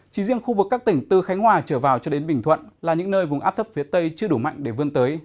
chỉ riêng khu vực các tỉnh từ khánh hòa trở vào cho đến bình thuận là những nơi vùng áp thấp phía tây chưa đủ mạnh để vươn tới